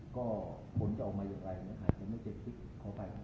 ก็ผลจะออกมาอย่างไร